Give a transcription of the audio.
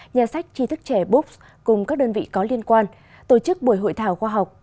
nhà sách tri thức trẻ books cùng các đơn vị có liên quan tổ chức buổi hội thảo khoa học